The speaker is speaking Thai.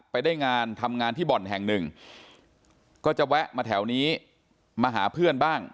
ไปได้งานทำงานที่บ่อนแห่งหนึ่งก็จะแวะมาแถวนี้มาหาเพื่อนบ้าง